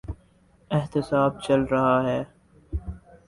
احتساب چل رہا ہے۔